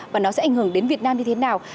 và nó sẽ ảnh hưởng đến việt nam như thế nào